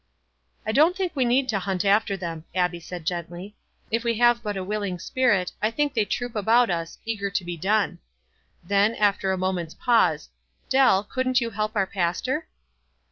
"I don't think we need to hunt after them," aid, gently. "If we have but a willing spirit, I think they troop about us, eager to be done.'' Then, after a moment's pause, "Dell, couldn't you help our pastor?"